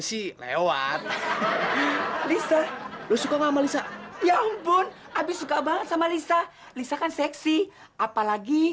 sih lewat lisa lu suka sama lisa ya ampun abis suka banget sama lisa lisa kan seksi apalagi